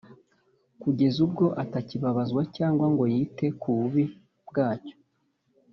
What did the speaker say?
kugeza ubwo atakibabazwa cyangwa ngo yite ku bubi bwacyo